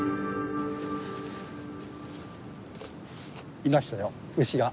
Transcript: いましたよ牛が。